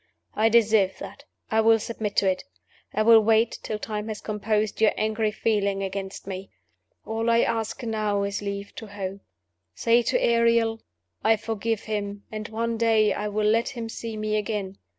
I deserve that I will submit to it; I will wait till time has composed your angry feeling against me. All I ask now is leave to hope. Say to Ariel, 'I forgive him; and one day I will let him see me again.